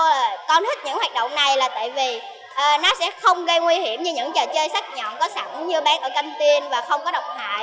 dạ con thích những hoạt động này là tại vì nó sẽ không gây nguy hiểm như những trò chơi sắc nhọn có sẵn như bán ở canh tin và không có độc hại